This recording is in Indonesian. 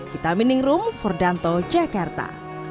kita meaning room for danto jakarta